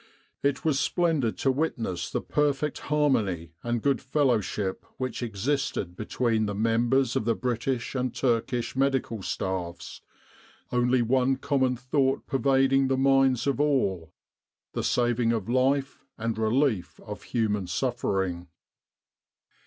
It was splendid to witness the perfect harmony and good fellowship which existed between the members of the British and Turkish medical staffs, only one common thought pervading the minds of all the saving of life and relief of human suffering.